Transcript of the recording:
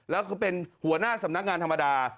แล้วเขาเป็นหัวหน้าสำนักงานธรรมดา